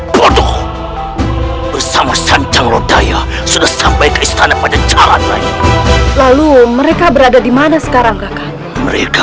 bersama santan lodaya sudah sampai ke istana pada jalan lalu mereka berada dimana sekarang mereka